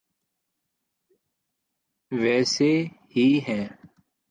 ویسی ہی ہیں۔